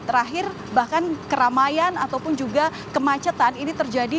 terakhir bahkan keramaian ataupun juga kemacetan ini terjadi